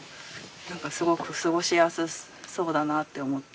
何かすごく過ごしやすそうだなあって思って。